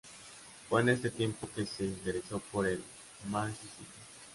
Fue en este tiempo que se interesó por el Marxismo.